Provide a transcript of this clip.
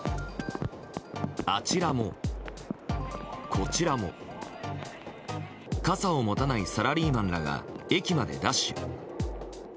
あちらもこちらも傘を持たないサラリーマンらが駅までダッシュ。